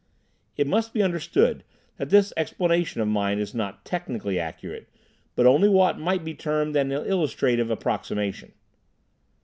It must be understood that this explanation of mine is not technically accurate, but only what might be termed an illustrative approximation.